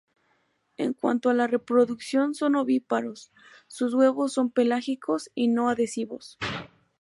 En cuanto a la reproducción son ovíparos, sus huevos son pelágicos y no adhesivos.